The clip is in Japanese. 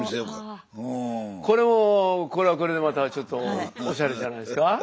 これはこれでまたちょっとおしゃれじゃないですか？